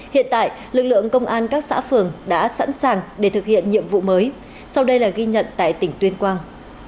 hiện tại lực lượng công an các xã phường đã sẵn sàng để thực hiện nhiệm vụ mới sau đây là ghi nhận tại tỉnh tuyên quang